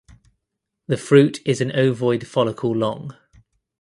The fruit is an ovoid follicle long.